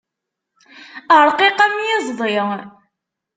Ṛqiq am iẓḍi.